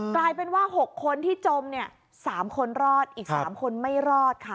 กลายเป็นว่า๖คนที่จมเนี่ย๓คนรอดอีก๓คนไม่รอดค่ะ